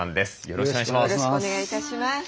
よろしくお願いします。